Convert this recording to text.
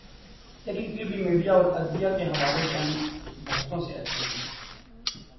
لیکن پھر بھی میڈیا اور عدلیہ کے حوالے سے ہم بہتوں سے اچھے ہیں۔